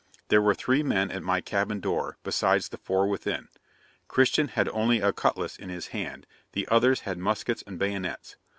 There were three men at my cabin door, besides the four within; Christian had only a cutlass in his hand, the others had muskets and bayonets.